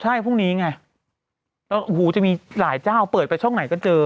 ใช่พวกนี้ไงอ๋อโหจะมีหลายเจ้าเปิดไปช่องไหนก็เจอ